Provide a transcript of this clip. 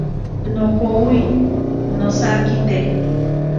Nokowi nosakite.